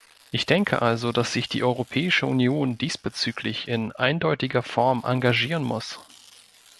Ich denke also, dass sich die Europäische Union diesbezüglich in eindeutiger Form engagieren muss.